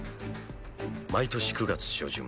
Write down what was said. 毎年９月初旬。